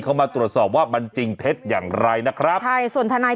เข้ามาตรวจสอบว่ามันจริงเท็จอย่างไรนะครับใช่ส่วนทนาย